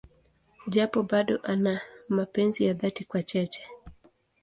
Japo bado ana mapenzi ya dhati kwa Cheche.